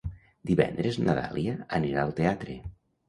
Divendres na Dàlia anirà al teatre.